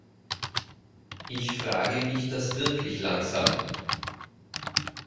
Ich frage mich das wirklich langsam.